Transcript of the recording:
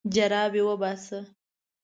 جرابې وباسه.